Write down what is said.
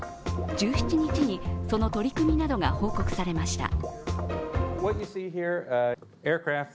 １７日にその取り組みなどが報告されました。